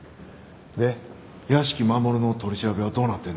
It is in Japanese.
で屋敷マモルの取り調べはどうなってんねん？